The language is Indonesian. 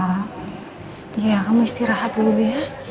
al ya kamu istirahat dulu ya